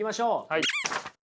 はい。